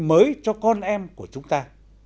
mới cho con em của chúng ta